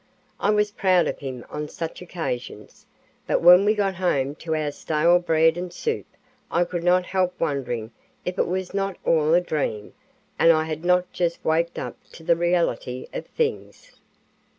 I was proud of him on such occasions, but when we got home to our stale bread and soup I could not help wondering if it was not all a dream and I had not just waked up to the reality of things."